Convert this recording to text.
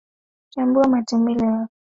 chambua matembele yako